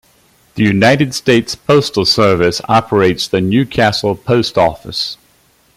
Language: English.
The United States Postal Service operates the Newcastle Post Office.